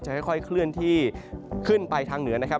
ค่อยเคลื่อนที่ขึ้นไปทางเหนือนะครับ